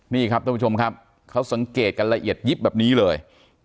นี่ครับท่านผู้ชมครับเขาสังเกตกันละเอียดยิบแบบนี้เลย